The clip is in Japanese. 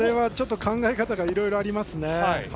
ちょっと考え方がいろいろありますね。